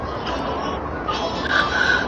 لکه د حساب ماشینونه.